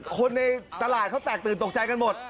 คนในตลาดเขาแตกตื่นตกใจกันหมด